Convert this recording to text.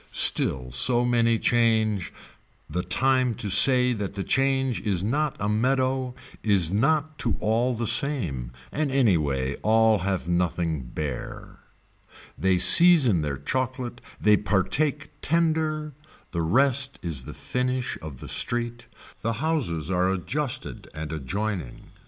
Still so many change, the time to say that the change is not a meadow is not to all the same and anyway all have nothing bare. They season their chocolate, they partake tender, the rest is the finish of the street, the houses are adjusted and adjoining.